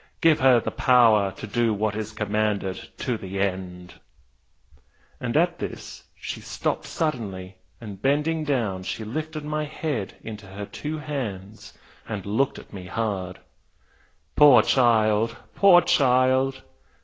Give her the power to do what is commanded, to the end.' And at this she stopped suddenly and bending down she lifted my head in her two hands and looked at me hard 'Poor child, poor child!